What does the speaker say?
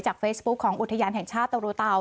เฟซบุ๊คของอุทยานแห่งชาติตะรูเตา